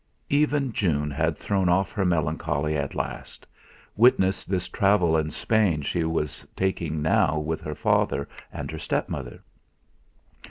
Even June had thrown off her melancholy at last witness this travel in Spain she was taking now with her father and her stepmother.